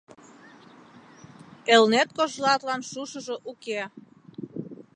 Элнет кожлатлан шушыжо уке.